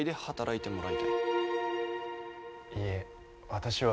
いいえ私は。